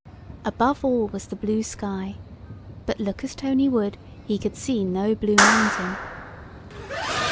Above all was the blue sky—but, look as Tony would, he could see no blue mountain.